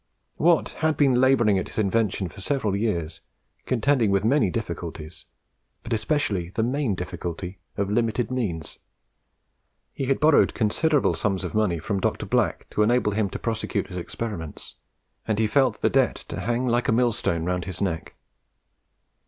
Watt had been labouring at his invention for several years, contending with many difficulties, but especially with the main difficulty of limited means. He had borrowed considerable sums of money from Dr. Black to enable him to prosecute his experiments, and he felt the debt to hang like a millstone round his neck.